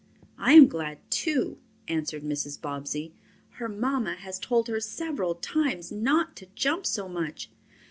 "I am glad too," answered Mrs. Bobbsey. "Her mamma has told her several times not to jump so much."